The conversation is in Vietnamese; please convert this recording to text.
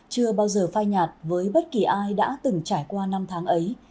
chưa bao giờ phai nhạt với bất kỳ ai đã từng trải qua năm tháng ấy